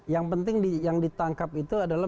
yang penting yang ditangkap itu adalah